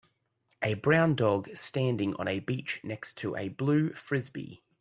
A brown dog standing on a beach next to a blue Frisbee.